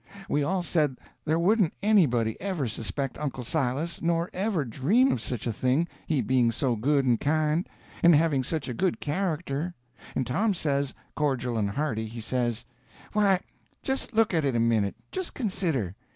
We all said there wouldn't anybody ever suspect Uncle Silas, nor ever dream of such a thing, he being so good and kind, and having such a good character; and Tom says, cordial and hearty, he says: "Why, just look at it a minute; just consider.